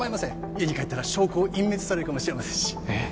家に帰ったら証拠を隠滅されるかもしれませんしえっ？